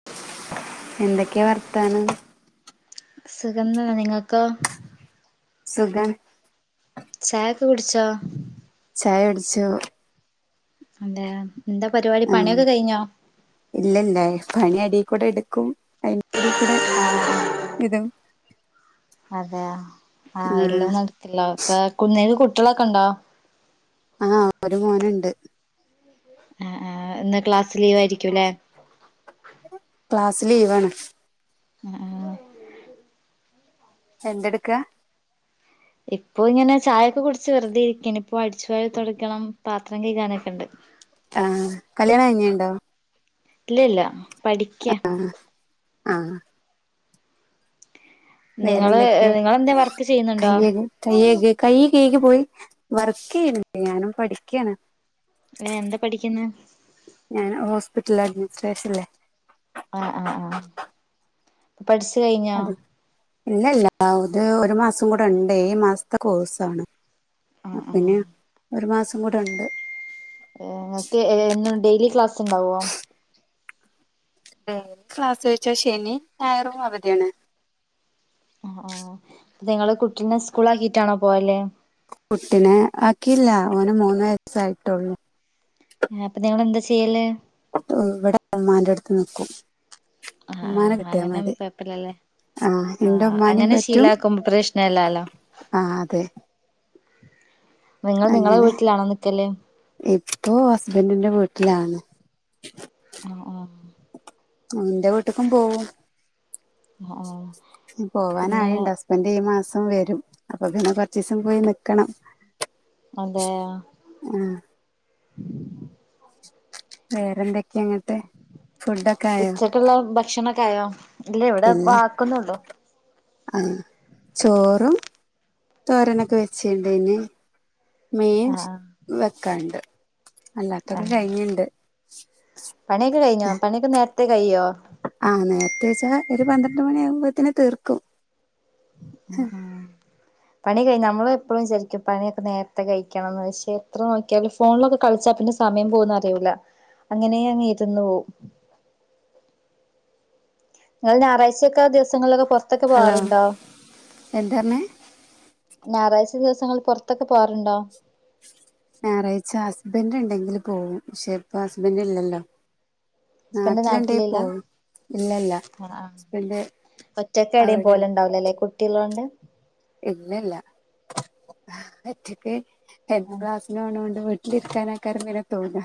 [unintelligible] എന്തൊക്കെയാ വർത്താനം? സുഖം തന്നെ നിങ്ങൾക്കോ സുഖം ചായ ഒക്കെ കുടിച്ചോ ചായ കുടിച്ചു പിന്നെ എന്താ പരിപാടി ഉം പണിയൊക്കെ കഴിഞ്ഞോ ഇല്ലല്ല പണി എടീക്കൂടെ ഇട്ക്കും അയിന്റെടെ കൂടെ ഇതും അതെയൊ ആ ആഹ് എല്ലൊന്നും എട്ത്തില്ല ഇപ്പ കു ഇങ്ങക്ക് കുട്ട്യളൊക്കെണ്ടോ ആഹ് ഒര് മോന്ണ്ട് ആഹ് ആഹ് ഇന്ന് ക്ലാസ് ലീവായിരിക്കുലേ ക്ലാസ് ലീവാണ് ആഹ് ആഹ് എന്തെട്ക്കാ ഇപ്പൊ ഇങ്ങനെ ചായൊക്കെ കുടിച്ച് വെറ്തെ ഇരിക്കാണ് ഇപ്പൊ അടിച്ചുവാരി തൊടക്കണം പാത്രം കൈകാനൊക്കെണ്ട് ആഹ് കല്യാണം കഴിഞ്ഞിണ്ടോ ഇല്ലല്ല പഠിക്ക്യ ആഹ് നിങ്ങള് വേറെന്തേക്കെ? നിങ്ങളെന്താ വർക്ക് ചെയ്യുന്നുണ്ടോ വർക്കെയ്യ്ണ് [unintelligible] ഞാനും പഠിക്ക്യാണ് ഏഹ് എന്താ പഠിക്ക്ന്ന് ഞാന് ഹോസ്പിറ്റൽ അഡ്മിനിസ്ട്രേഷൻല്ലേ ആഹ് ആഹ് ആഹ് പഠിച്ച് കഴിഞ്ഞോ അത് ഇല്ല ഇല്ല അത് ഒരു മാസം കൂടെണ്ട് ഏഴ് മാസത്തെ കോഴ്സാണ് ആഹ് ആഹ് അപ്പന്നെ ഒരു മാസം കൂടെണ്ട് ഏഹ് ഇങ്ങക്ക് എന്നും ഡെയിലി ക്ലാസ്ണ്ടാവോ ഡെയ്ലി ക്ലാസ് ചോയിച്ചാ ശനിം ഞായറും അവധിയാണ് ആഹ് ആഹ് നിങ്ങള് കുട്ടിനെ സ്കൂളിലാക്കിട്ടാണോ പോവല് കുട്ടിനെ ആക്കിയില്ല ഓന് മൂന്ന് വയസ്സായിട്ടൊള്ളൂ ഏഹ് അപ്പൊ നിങ്ങള്ന്താ ചെയ്യല് [unintelligible] ഇവടെ ഇമ്മാന്റെട്ത്ത് നിക്കും ആഹ് ഇമ്മാനെ ആഹ് കിട്ടിയാ അങ്ങനാവുമ്പോ മതി കൊഴപ്പല്ലല്ലേ ആഹ് ഇന്റെ ഉമ്മാനിം അങ്ങനെ പറ്റും ശീലാക്കുമ്പോ പ്രശ്നല്ലാലോ ആഹ് അതെ നിങ്ങള് നിങ്ങളെ വീട്ടിലാണോ നിക്കല് ഇപ്പോ ഹസ്ബന്റിന്റെ വീട്ടിലാണ് ആഹ് ആഹ് ഇന്റെ വീട്ട്ക്കും പോവും ആഹ് ആഹ് പിന്നെ പോവാനായിണ്ട് ഹസ്ബന്റ് ഈ മാസം വരും അപ്പൊ പിന്നെ കൊറ്ച്ചീസും പോയി നിക്കണം അതെയൊ ഉം വേറെന്തേക്കെങ്ങട്ട് ഫുഡോക്കായോ ള്ള ഭക്ഷണൊക്കായോ ഇല്ല ഇവടെ ഇപ്പാക്കുന്നൊള്ളൂ ആഹ് ചോറും തോരനൊക്കെ വെച്ച്ണ്ട്ഞ്ഞ് മീൻ ആഹ് വെക്കാണ്ട് അല്ലാത്തൊക്കെ ആഹ് കഴിഞ്ഞ്ണ്ട് പണിയൊക്കെ കഴിഞ്ഞോ പണിയൊക്കെ നേരത്തെ കഴിയ്യോ ആഹ് നേരത്തെയിച്ചാ ഒര് പന്ത്രണ്ട് മണിയാവുമ്പോത്തിന് തീർക്കും ആഹ് ആഹ് പണി കഴി നമ്മളെപ്പോഴുംചരിക്കും പണിയൊക്കഴിഞ്ഞാ നമ്മള് എപ്പഴും വിചാരിക്കും പണിയൊക്കെ നേരത്തെ കഴിക്കണംന്ന് പക്ഷെ എത്ര നോക്കിയാലും ഫോണിലൊക്കെ കളിച്ചാ പിന്നെ സമയം പോവുന്ന അറിയൂല അങ്ങനെയങ്ങ് ഇര്ന്ന് പോവും ഇങ്ങള് ഞായറാഴ്ച്ചോക്കെ ദിവസങ്ങള്ലൊക്കെ പൊറത്തൊക്കെ ഹലോ പോവാറുണ്ടോ എന്താ പറഞ്ഞേ ഞായറാഴ്ച്ച ദിവസങ്ങളിൽ പൊറത്തൊക്കെ പോവാറ്ണ്ടോ ഞായറാഴ്ച്ച ഹസ്ബന്റ്ണ്ടെങ്കില് പോവും പക്ഷെ ഇപ്പ ഹസ്ബന്റ് ഇല്ലല്ലോ ഹസ്ബൻഡ് നാട്ടില്ണ്ടേ നാട്ടിലില്ല പോവും ഇല്ലല്ലാ ഹസ്ബൻഡ് ഒറ്റക്കെടെം അവിടെയാണ് പോല്ണ്ടാവൂലല്ലേ കുട്ടിള്ളോണ്ട് ഇല്ലല്ല ഒറ്റക്ക് എന്നും ആഹ് ക്ലാസ്സിന് പോണൊണ്ട് വി നിക്കനെക്കാരം പിന്നെ തോന്ന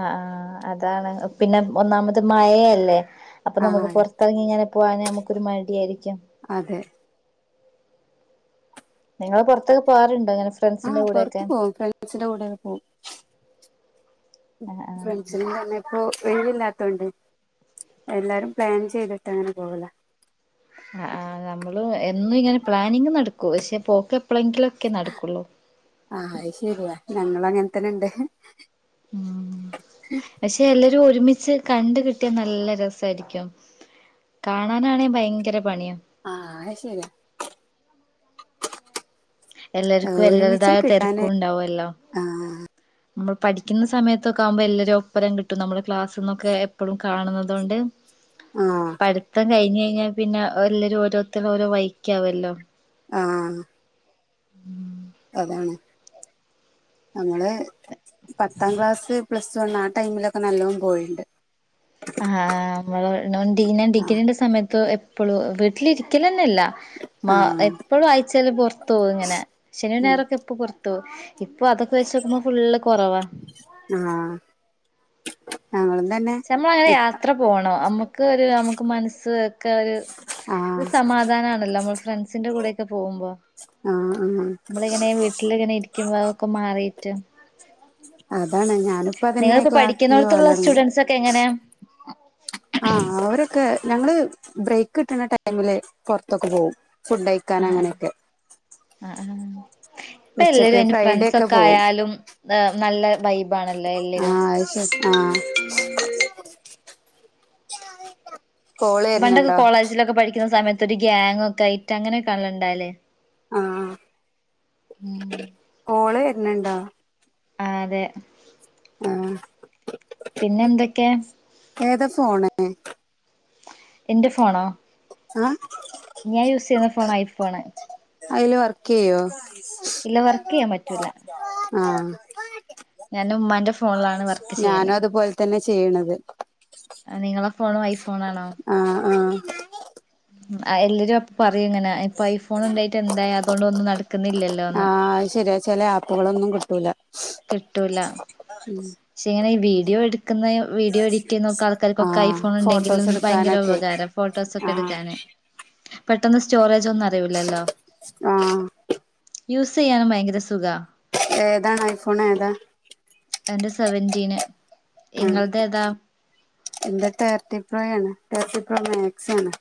ആഹ് അതാണ്. പിന്നെ ഒന്നാമത് മയയല്ലേ, അപ്പൊ ആ നമുക്ക് പൊർ ങ്ങനെ പോകാനോ നമുക്കൊരു മടിയായിരിക്കും. അതെ. നിങ്ങള് പൊറത്ത് പോവാറുണ്ട് ഇങ്ങനെ ആഹ് ഫ്രണ്ട്സിന്റെ പൊറത്ത് കൂടെയൊക്കെ പോവും, ഫ്രണ്ട്സിന്റെ കൂടെല്ലം പോവും. ആഹ് ആഹ് ഫ്രണ്ട്സ്ന് തന്നെപ്പൊ ഒഴിവില്ലാത്തോണ്ട് എല്ലാരും പ്ലാൻ ചെയ്തിട്ടങ്ങനെ പോകലാ. അ ആഹ് നമ്മള് എന്നും ഇങ്ങനെ പ്ലാനിങ് നടക്കും പക്ഷേ, പോക്ക് എപ്പളെങ്കിലൊക്കെ നടക്കുള്ളൂ. അത് ശരിയാ ഞങ്ങളങ്ങൻത്തന്നെണ്ട്. ആഹ്, പക്ഷെ എല്ലരും ഒരുമിച്ച് കണ്ട് കിട്ടിയാ നല്ല രസായിരിക്കും. കാണാനാണെ ഭയങ്കര പണിയാ. ആഹ് അത് ശരിയാ. ഏ, എല്ലർക്കും ഒരുമിച്ച് എല്ലരുതായ കിട്ടാന് തെര്ക്കൂണ്ടാവൊല്ലോ. [inaudible] നമ്മൾ പഠിക്കുന്ന സമയത്തൊക്കെ ആകുമ്പോൾ എല്ലാവരും ഒപ്പരം കിട്ടും നമ്മള് ക്ലാസ്സ്ന്നൊക്കെ എപ്പളും കാണുന്നത് കൊണ്ട് ആഹ് പഠിത്തം കഴിഞ്ഞഴ്ഞ്ഞാ പിന്നെ എല്ലരും ഓരോരുത്തരും ഓരോ വയിക്കാവല്ലോ. ആഹ് [inaudible] അതാണ് നമ്മള് പത്താം ക്ലാസ്, പ്ലസ് വണ്ണ് ആ ടൈമിലൊക്കെ നല്ലോം പോയിണ്ട്. ആഹ് ഞങ്ങള് ഡീ ഞാൻ ആഹ് ഡിഗ്രീന്റെ സമയത്ത് എപ്പളു വീട്ടിലിരിക്കലന്നെല്ല. മാ ആഹ് എപ്പളും ആയ്ച്ചേല് പൊർത്ത് പോകും ങ്ങനെ. ശനിം ഉം ഞയറൊക്കെ ഇപ്പൊ അതൊക്കെ വെച്ച് നോക്കുമ്പോ ഫുള്ള് കൊറവാ. ആഹ് ഞങ്ങളും തന്നെ നമ്മളങ്ങനെ യാത്ര പോണം. നമ്മുക്ക് ഒരു നമുക്ക് മനസ്സ് ഒക്കെ ഒര് ആഹ് സമാധാനാണല്ലോ നമ്മള് ഫ്രണ്ട്സിന്റെ കൂടെക്കെ പോകുമ്പോ ആഹ് ആഹ് ആഹ് ഇങ്ങനെ വീട്ടിലിങ്ങനെ ഇരിക്കുമ്പോ അതൊക്കെ മാറീട്ട് അതാണ്, ഞാനിപ്പതന്നെ ക്ലാസ്സിന് പോകലൊട്ങ്ങി. ഇപ്പങ്ങനെയാ? ആഹ് ഓരൊക്കെ ഞങ്ങള് ബ്രെയ്ക്ക് കിട്ട്ണ ടൈമില്, പൊർത്തൊക്കെ പോകും ഫുഡയിക്ക ക്കാൻ ആഹ് അങ്ങനെയൊക്കെ ആഹ് ഇപ്പ ഉച്ചക്ക് എല്ലരും എന്റെ ഫ്രൈഡേ ഫ്രണ്ട്സ് ഒക്കെ പോവും ആയാലും ആഹ് നല്ല വൈബ് ആണല്ലോ എല്ലരും ആഹ് അത് ആഹ് [unintelligible] പണ്ടൊക്കെ വരുന്നുണ്ടോ കോളേജിലൊക്കെ പഠിക്ക്ണ സമയത്ത് ഒരു ഗാങൊക്കെ ആയിട്ട് അങ്ങനെക്കേണല്ലൊ ഇണ്ടാവല് ആഹ് കോള് വര്ന്ണ്ടോ? ആഹ് അതേ. ആഹ് പിന്നെന്തെക്കെ? ഏതാ ഫോണ്? ഇന്റെ ഫോണോ? ആഹ് ഞാൻ യൂസ് ചെയ്യുന്ന ഫോൺ ഐഫോണ് അയില് വർക്ക് യ്യൊ ഇല്ല വർക്ക് ചെയ്യാൻ പറ്റൂല ആഹ് ഞാൻ ഉമ്മാന്റെ ഫോണിലാണ് വർക്ക് ചെയ്യല് ഞാനും അതുപോലെ തന്നെ ചെയ്യണത് ആഹ് നിങ്ങളെ ഫോണും ഐഫോണാണോ ആഹ് ആഹ് ആഹ് എല്ലരും അപ്പൊ പറയും ഇങ്ങനെ ഇപ്പൊ ഐഫോൺ ഉണ്ടായിട്ട് എന്തായ അതുകൊണ്ട് ഒന്നും നടക്കുന്നില്ലല്ലോന്ന് ച്ചെല ആപ്പുകളൊന്നും കിട്ടൂല്ല കിട്ടൂല [unintelligible] പക്ഷെ ഇങ്ങനെ ഈ വീഡിയോ എടുക്കുന്ന വീഡിയോ എഡിറ്റ് ചെയ്യുന്നൊക്കെ ആൾക്കാർക്കൊക്കെ ആഹ് ഐഫോൺ ഉണ്ടെങ്കില് ഫോട്ടോസ് ഭയങ്കര എടുക്കാനൊക്കെ ഉപകാരം ഫോട്ടോസ് ഒക്കെ ആഹ് എടുക്കാന് പെട്ടന്ന് സ്റ്റോറേജ് ഒന്നും നറയൂല്ലല്ലോ ആഹ് യൂസ് ചെയ്യാനും ഭയങ്കര സുഖാ ഏതാണ് ഐഫോൺ ഏതാ എന്റെ സെവന്റീന് ആഹ് ഇങ്ങൾത് ഏതാ എന്റെ തേർട്ടി പ്രോ ആണ് തേർട്ടി പ്രോ മാക്സ് ആണ്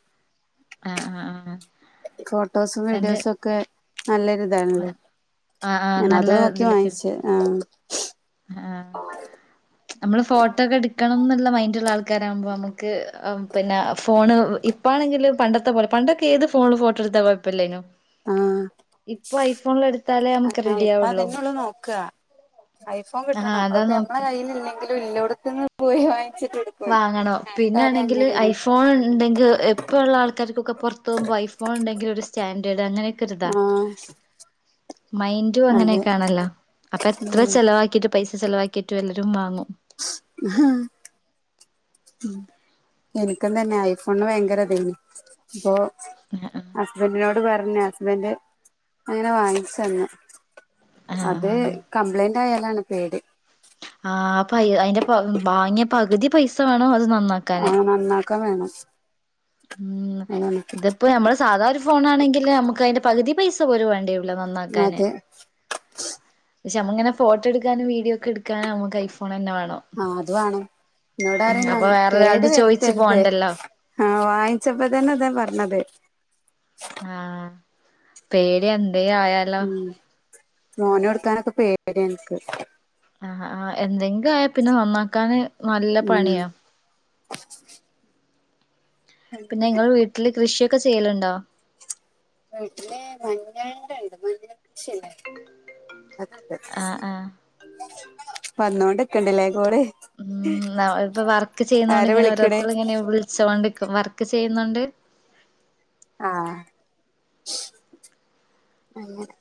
ആഹ് ആഹ് ആഹ് ഫോട്ടോസും എന്റെ വീഡിയോസും ഒക്കെ നല്ലെരു ഇതാണല്ലേ ആഹ് ആഹ് ഞാൻ അത് നല്ല നോക്കി ഇതില് വാങ്ങിച്ചേ കിട്ടും ആഹ് ആഹ് നമ്മള് ഫോട്ടോ ഒക്കെ ഇട്ക്കണം ന്ന്ള്ള മൈൻഡുള്ള ആൾക്കാരാകുമ്പോ നമുക്ക് പിന്നെ ഫോണ് ഇ ഇപ്പാണെങ്കില് പണ്ടത്തെ പോലെ പണ്ടൊക്കെ ഏത് ഫോണിലും ഫോട്ടോ എടുത്താൽ കൊഴപ്പല്ലേനു ആഹ് ഇപ്പൊ ഐഫോണിലടുത്ത് ആഹ് ഇപ്പ അതെന്നെ ഉള്ളു നോക്കുക ഐഫോൺ ആഹ് കിട്ടണം അതാ അതിപ്പൊ ഞമ്മടെ നോക്ക് കയ്യിൽ ഇല്ലെങ്കിലും ഇല്ലോടത്തുന്നു പോയി വാങ്ങിച്ചിട്ട് എടു വാങ്ങണം പിന്നാണെങ്കില് ഐഫ്‌ ഫോൺ ഉണ്ടെങ്കിൽ ഇപ്പൊ ഉള്ള ആൾക്കാർക്കൊക്കെ പുറത്ത് പോകുമ്പോൾ ഐ ഫോൺ ഉണ്ടെങ്കിൽ ഒരു സ്റ്റാൻഡേർഡ് അങ്ങനെ ഒക്ക് - ഒക്കെരിതാ ആഹ് മൈൻഡും അങ്ങനെ അതെ ഒക്കെ ആണല്ലോ അപ്പൊ എത്ര ഉം ചെലവാക്കീട്ടും പൈസ ചെലവാക്കിയിട്ടും എല്ലരും വാങ്ങും ആഹ് ഹാ ഉം എനിക്കുംതന്നെ ഐ ഫോണിന് ഭയങ്കര ഇതന് അപ്പൊ ഹസ്ബൻഡിനോട് പറഞ്ഞു ഹസ്ബൻഡ് അങ്ങനെ വാങ്ങിച്ച് തന്ന് ആഹ് അത് ആഹ് കംപ്ലയിന്റ് ആയാലാണ് പേടി ആഹ് പൈ അതിന്റെ വാങ്ങിയ പകുതി പൈസ വേണം അത് നന്നാക്കാൻ ആഹ് നന്നാക്കാൻ വേണം ഉം അതാണ് ഇതിപ്പോ ഞമ്മള് സാധാ ഒരു ഫോണാണെങ്കില് നമുക്ക് അതിന്റെ പകുതി പൈസ പോലും വേണ്ടയും ല നന്നാക്കാന് അതെ പക്ഷേ നമ്മുക്കിങ്ങനെ ഫോട്ടോ എടുക്കാനും വീഡിയോക്ക എടുക്കാനും നമ്മക്ക് ഐഫോണ് തന്നെ വേണം ആഹ് അത് വാണം ഇന്നോട് ഉം പറിം അപ്പൊ കേടു വേറൊരാൾത് ചോയിച്ചു വര്ത്തര്ത് പോണ്ടല്ലോ ആഹ് വാങ്ങിച്ചപ്പോ തന്നെ അതാ പറഞ്ഞത് ആഹ് പേടി എന്തെ ആയാൽ ഉം മോന് കൊടുക്കാനൊക്കെ പേടി ആണ് എനിക്ക് ആഹ് ആഹ് എന്തെങ്കിലും ആയാ പിന്നെ നന്നാക്കാന് നല്ല ഉം പണിയാ പിന്നെ അങ്ങനെ നിങ്ങൾ വീട്ടില് കൃഷിയൊക്കെ ചെയ്യലുണ്ടോ വീട്ടില് മഞ്ഞൾന്റെണ്ട്, മഞ്ഞൾ കൃഷില്ലെ? ആഹ് ആഹ് വന്നോണ്ട്ക്ക്ണ്ട് ലേ കോള്. ഇല്ല. ഇപ്പ വർക്ക് ആരാ ചെയ്യുന്നോണ്ടിങ്ങനെ വിളിക്കണേ ഓരോരുത്തരിങ്ങനെ വിളിച്ചോണ്ടിരിക്കും, വർക്ക് ചെയ്യുന്നോണ്ട് ആഹ് അങ്ങനെ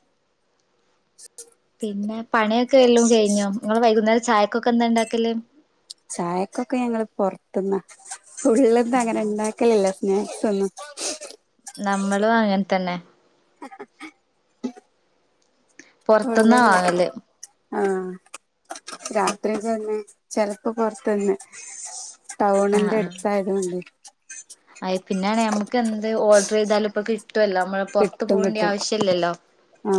പിന്നെ പണിയൊക്കെ എല്ലും കഴിഞ്ഞോ? ഇങ്ങള് വൈകുന്നേരം ചായക്കൊക്കെ എന്താണ്ടാക്കല്? ചായക്കൊക്കെ ഞങ്ങള് പൊറത്ത്ന്നാ. ഫുള്ളൊന്നും അങ്ങനെണ്ടാക്കലില്ല. [unintelligible] നമ്മളും അങ്ങനെ തന്നെ ആ [unintelligible] കൊല്ല പൊറത്ത്ന്നാ വാങ്ങല് [unintelligible] ആഹ രാത്രി തന്ന്െ ചെിലപ്പോ പുൊറത്തുന്ന് ടൗണന്റെ അടുത്തായതുകണ്ട്ി അ പിന്നെയാണ് നഞമ്മക്ക് എന്ത് ഓർഡർ ചെയ്താല ഇപ്പൊ കിട്ടുവല്ല നമ്മ കിട്ടും കിട്ടും ആഹ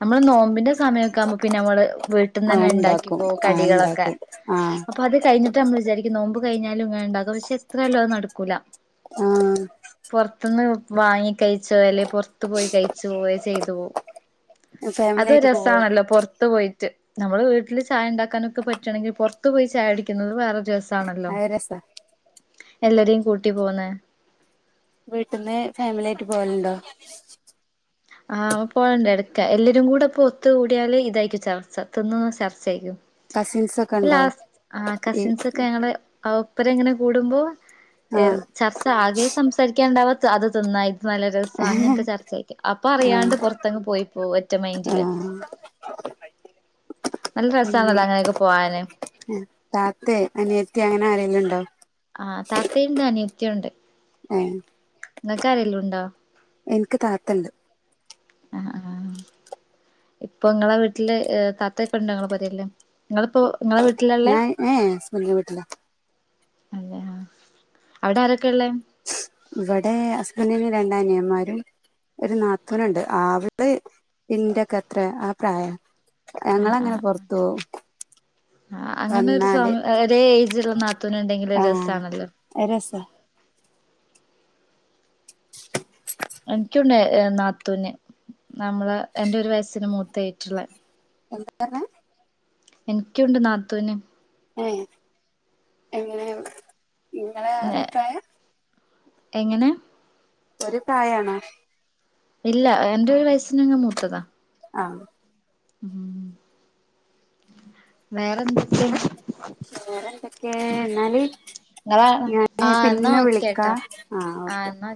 നമ്മള് നോമ്പിന്റെ സമയ ്പ പിന്നെ നമ്മള് വീട്ടിൽ നിന്ന് ആ തന്നെ ഉണ്ടാക്കി ഇണ്ടാക്കും പോ ആ കടികളൊക്കെ ഇണ്ടാക്കും ആഹ് അപ്പൊ അത് കഴിഞ്ഞ നമ്മ വിചാരിക്കുന്നു നോമ്പ് കഴിഞ്ഞാലുംങ്ങന ഉണ്ടാക പക്ഷെത്രയല്ലോ അത് നടക്കൂല ആ പുൊറത്തുന്ന് വാങ്ങി കഴിച്ച അല്ലെ പുറത്തു പോയി കഴിച്ചു പോവയോ ചെയ്തു പോവും ഫാമിലി അത് ആയിട്ട് രസാ പോവോ ണല്ലോ പുൊറത്ത് പോയിട്ട് നമ്മള് വീട്ടിൽ ചായ ഉണ്ടാക്കാനൊക്കെ പറ്റുകണെങ്കിൽ പുറത്ത് പോയി ചായ അടിക്കുന്നത് വേറെ രസാ ാണല്ലോ അത് രസാ എല്ലരേയും കൂട്ടി പോന്ന് വീട്ടിന്ന് ഫാമിലി ആയിട്ട് പോവലുണ്ടോ ആഹ് പോയേണ്ട എടുക്കാ എല്ലരും കൂടെപ്പൊ ഒത്ത കൂടിയാല് ഇതായിരിക്കും ചർച്ചതിന്നുന്ന ചർച്ചയായിക്കും കസിൻസ് ഒക്കെ അപ്പൊ ഉണ്ടോ ലാസ് ആ ഈ കസിൻസ് ക്ക ഞങ്ങൾ ആ ഒപ്പര ങ്ങനെ കൂടുമ്പോ ഏ ആഹ് ചർച്ച ആകെ സംസാരിക്കാണ്ടാവാ അത് തിന്ന ഇത് നല്ല രസമാണ് അങ്ങനത്തെ ആഹ് ചർച്ചയൊക്കെ അപ്പൊ അറാണ്ട് പുറത്തങ് പോയി പോവും ഒറ്റ മൈന്ഡ ആഹ നല്ല രസമാണല്ലോ അങ്ങനെയൊക്കെ പോവാന് താത്തേ അനിയത്തി അങ്ങനെ ആരെല്ലും ഉണ്ടോ ആഹ് താത്തയുണ്ട് അനിയത്യ ഉണ്ട് ഏ നിക്ക ആ രേ ലും ഉണ്ടോ എനിക്ക് താത്തുണ്ട് ആഹ് ആഹ് [inaudible] ഇപ്പൊ നിങ്ങളെ വീട്ടില്െ താത്തയൊക്കെ ഉണ്ട് ങ്ങളെ പുരെൽ നിങ്ങളിപ്പോ നിങ്ങള വീട്ടിലാള്ള് ഞാൻ ഏഹ് ഹസ്ബൻഡിന്റെ വീട്ടിലാ അതെ ആ അവിടെ ആരൊക്കെയ ഉള്ളേ ഇവിടെ ഹസ്ബ ന്റിന് രണ്ടനി യ ന്മാരും ഒരു നാത്തൂനുണ്ട് ആടെ ന്റെൊക്കെ അത്ര ആ പ്രായം ഞങ്ങൾ അങ്ങനെ പൊറത്തു പോവും ആ അങ്ങനെ ഒരു വന്നാല് ഒരേ ഏജ്ള്ള നാത്തൂന ഉണ്ടെങ്കില് രസാണല്ലോ.. അ രസാ എനിക്കുണ്ട് നാത്തൂന് നമ്മള് എന്റെ ഒരു വയസ്സിന് മൂത്തഏറ്റുള്ള എന്താ പറഞ്ഞ എനിക്കുണ്ട് നാത്തുന് യ് എങ്ങനെ ങ്ങളെ അ പ്രായം എങ്ങനെ ഒരു പ്രായണോ ഇല്ല എന്റെ ഒരു വയസ്സന് ങ് മൂത്തതാ ആ ഉ ഉം [inaudible] വേറെ എന്തക്ക വെ റെ എന്തൊക്കെ ന്നാല്.. നിങ്ങളാണോ ഞാനേ ആഹ് എന്നാ പിന്നെ വിളിക്കാ ഓക്കേട്ടോ ആ ആഹ് ഓക്കെ.. എന്നാ